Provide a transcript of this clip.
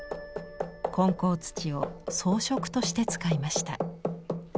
混淆土を装飾として使いました。